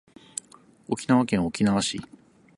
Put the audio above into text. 沖縄県沖縄市